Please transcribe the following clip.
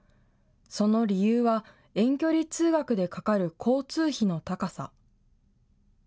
その理由は、遠距離通学でかかる交通費の高さ。